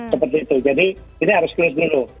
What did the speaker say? seperti itu jadi ini harus clear dulu